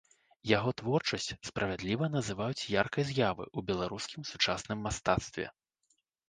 Яго творчасць справядліва называюць яркай з'явай у беларускім сучасным мастацтве.